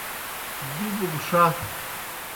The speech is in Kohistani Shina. دِبوْ گہ ݜہ۔